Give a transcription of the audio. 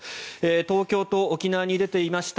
東京と沖縄に出ています